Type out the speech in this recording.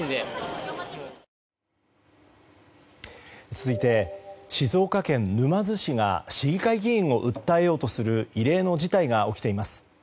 続いて、静岡県沼津市が市議会議員を訴えようとする異例の事態が起きています。